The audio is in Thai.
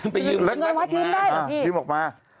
ไปยืมเงินมาคืนได้หรือพี่ยืมออกมา